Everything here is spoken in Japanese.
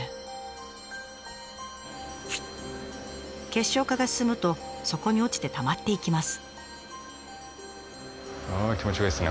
結晶化が進むと底に落ちてたまっていきます。